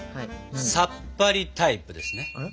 さっぱりタイプですね？